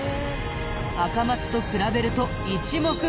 アカマツと比べると一目瞭然。